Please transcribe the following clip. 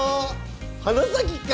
花咲か！